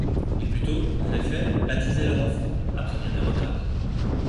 Les Buteau, en effet, baptisaient leur enfant, après bien des retards.